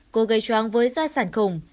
cô gây choáng với gia sản khủng